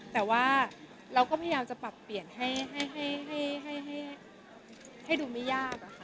แต่ว่าเราก็พยายามจะปรับเปลี่ยนให้ดูไม่ยากอะค่ะ